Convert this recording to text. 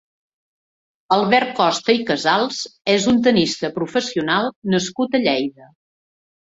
Albert Costa i Casals és un tennista professional nascut a Lleida.